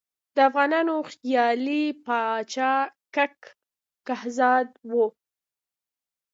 د افغانانو خیالي پاچا کک کهزاد وو.